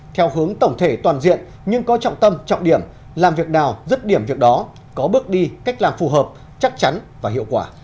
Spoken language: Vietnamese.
theo hướng tổng thể toàn diện nhưng có trọng tâm trọng điểm làm việc nào dứt điểm việc đó có bước đi cách làm phù hợp chắc chắn và hiệu quả